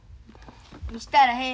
見したらへん。